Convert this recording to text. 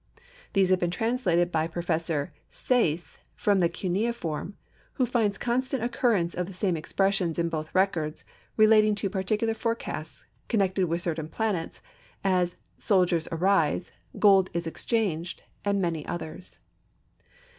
These have been translated by Professor Sayce, from the cuneiform, who finds constant occurrence of the same expressions in both records relating to particular forecasts, connected with certain planets, as "Soldiers arise," "Gold is exchanged," and many others.